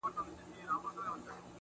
• لكه گلاب چي سمال ووهي ويده سمه زه.